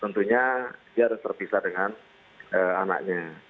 tentunya dia harus terpisah dengan anaknya